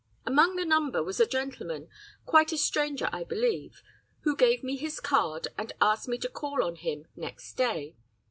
Among the number was a gentleman quite a stranger I believe who gave me his card and asked me to call on him next day.